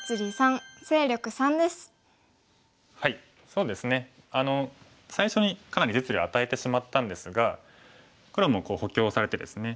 そうですね最初にかなり実利を与えてしまったんですが黒も補強されてですね